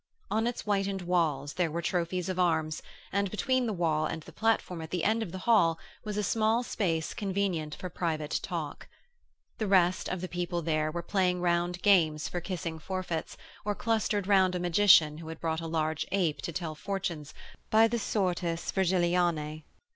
On its whitened walls there were trophies of arms, and between the wall and the platform at the end of the hall was a small space convenient for private talk. The rest of the people there were playing round games for kissing forfeits or clustered round a magician who had brought a large ape to tell fortunes by the Sortes Virgilianæ.